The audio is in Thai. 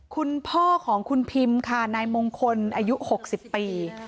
คุณพ่อของคุณพิมค่ะนายมงคลอายุ๖๐ปี